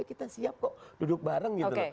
kita siap kok duduk bareng gitu loh